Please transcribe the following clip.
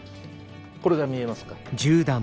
これが見えますか？